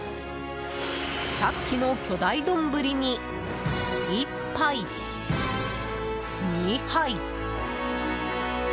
さっきの巨大丼に１杯、２杯。